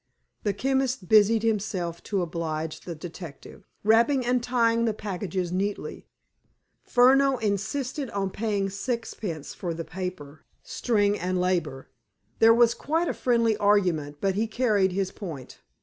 The chemist busied himself to oblige the detective, wrapping and tying the packages neatly. Furneaux insisted on paying sixpence for the paper, string, and labor. There was quite a friendly argument, but he carried his point.